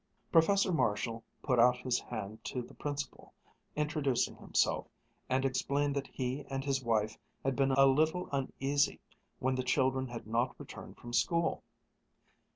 Professor Marshall put out his hand to the Principal, introducing himself, and explained that he and his wife had been a little uneasy when the children had not returned from school.